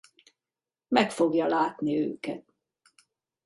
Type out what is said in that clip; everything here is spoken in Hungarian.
Meg fogja látni őket.